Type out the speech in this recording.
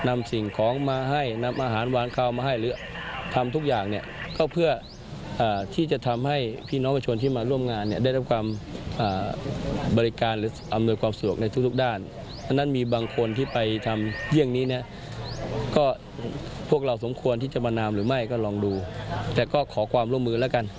ไม่ก็ลองดูแต่ก็ขอความร่วมมือแล้วกัน